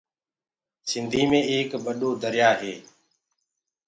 سنڌي مي ايڪ ٻڏو دريآ هي۔